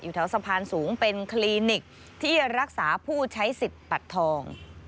แถวสะพานสูงเป็นคลินิกที่รักษาผู้ใช้สิทธิ์บัตรทอง